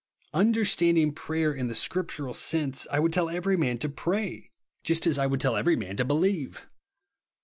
Understanding prayer in the scriptural sense, I would tell every man to pray, just as I woul<l tell every man to believe.